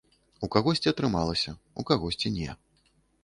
У кагосьці атрымалася, у кагосьці не.